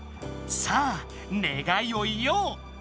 さあねがいを言おう！